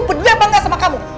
peduli apa gak sama kamu